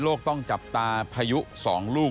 ต้องจับตาพายุ๒ลูก